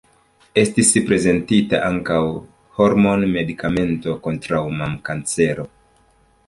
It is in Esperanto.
Estis prezentita ankaŭ hormon-medikamento kontraŭ mamkancero.